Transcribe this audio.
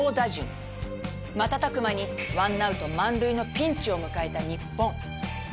瞬く間に１アウト満塁のピンチを迎えた日本。